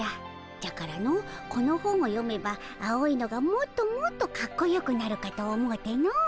じゃからのこの本を読めば青いのがもっともっとかっこよくなるかと思うての。